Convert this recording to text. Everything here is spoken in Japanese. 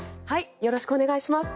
よろしくお願いします。